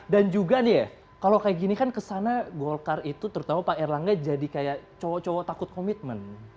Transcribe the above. dan juga nih ya kalau kayak gini kan kesana golkar itu terutama pak erlangga jadi kayak cowok cowok takut komitmen